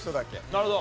なるほど。